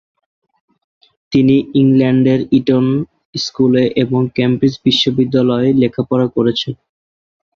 তিনি ইংল্যান্ডের ইটন স্কুলে এবং কেমব্রিজ বিশ্ববিদ্যালয়ে লেখাপড়া করেছেন।